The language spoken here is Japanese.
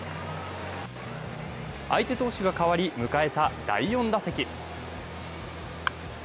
相手投手が代わり、迎えた第４打席。